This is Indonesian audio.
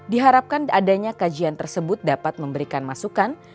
diharapkan adanya kajian tersebut dapat memberikan masukan